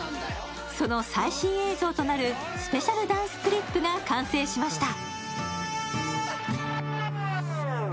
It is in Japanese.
その最新映像となるスペシャルダンスクリップが完成しました。